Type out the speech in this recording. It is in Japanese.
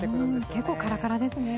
結構カラカラですね。